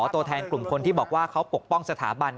ตัวแทนกลุ่มคนที่บอกว่าเขาปกป้องสถาบัน